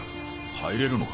入れるのか？